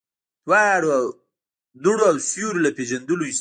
دوړو او سيورو له پېژندلو ايستلي ول.